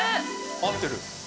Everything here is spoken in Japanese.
「合ってる」